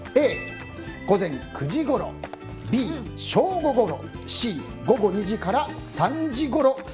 Ａ、午前９時ごろＢ、正午ごろＣ、午後２時から３時ごろ。